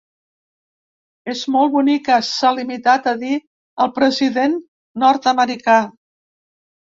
És molt bonica, s’ha limitat a dir el president nord-americà.